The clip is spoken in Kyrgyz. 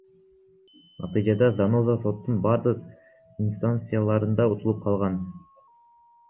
Натыйжада Заноза соттун бардык инстанцияларында утулуп калган.